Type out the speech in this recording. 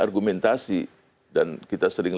argumentasi dan kita sering